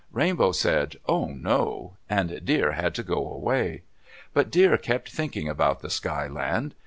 Rainbow said, "Oh, no!" and Deer had to go away. But Deer kept thinking about the Sky Land.